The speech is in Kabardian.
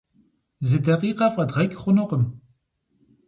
Зы дакъикъэ фӀэдгъэкӀ хъунукъым.